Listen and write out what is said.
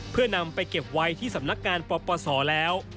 เพื่อนำไปเก็บไว้ที่สำนักงานปปศแล้ว